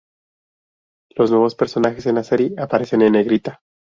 Los nuevos personajes en la serie aparecen en negrita.